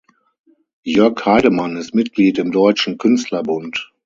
Jörg Heydemann ist Mitglied im Deutschen Künstlerbund.